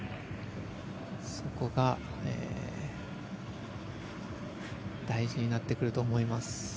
そこが大事になってくると思います。